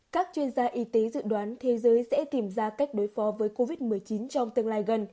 các chuyên gia y tế dự đoán thế giới sẽ tìm ra cách đối phó với covid một mươi chín trong tương lai gần